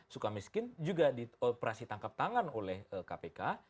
sukamiskin juga dioperasi tangkap tangan oleh kpk